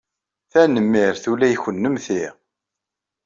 Tanemmirt! Ula i kennemti!